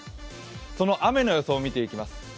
その雨の予想を見ていきます。